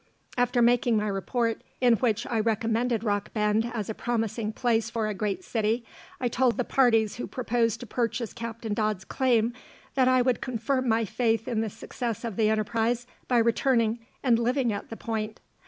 After making my report, in which I recommended Rock Bend as a promising place for a great city, I told the parties who proposed to purchase Captain Dodd's claim that I would confirm my faith in the success of the enterprise by returning and living at the point.